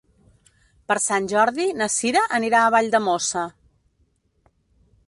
Per Sant Jordi na Sira anirà a Valldemossa.